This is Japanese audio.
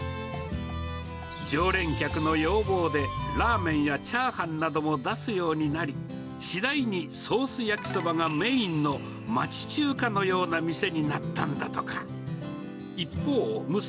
常連客の要望で、ラーメンやチャーハンなども出すようになり、次第にソース焼きそばがメインの町中華のような店になったんだとか。